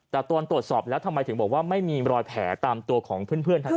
แต่ตอนตรวจสอบแล้วทำไมถึงบอกว่าไม่มีรอยแผลตามตัวของเพื่อนทั้งนั้น